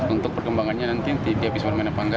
untuk perkembangannya nanti dia bisa bermain apa enggak